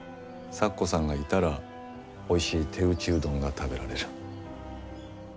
咲子さんがいたらおいしい手打ちうどんが食べられる。